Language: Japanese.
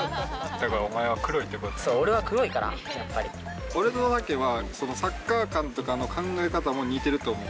だからお前は黒いってことやそう、俺は黒いから、やっぱ俺とタケは、サッカー感とかの考え方も似てると思う。